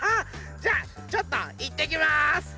じゃあちょっといってきます。